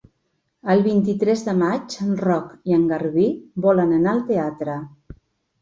El vint-i-tres de maig en Roc i en Garbí volen anar al teatre.